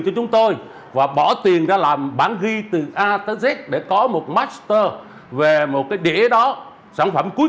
cho chúng tôi và bỏ tiền ra làm bản ghi từ a tới z để có một master về một cái đĩa đó sản phẩm cuối